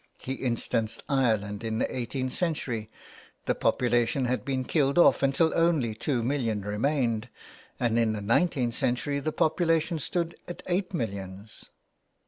He instanced Ireland in the eighteenth century — the population had been killed off until only two millions remained, and in the nineteenth century the population stood at eight mil lions.